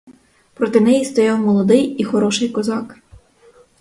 Проти неї стояв молодий і хороший козак.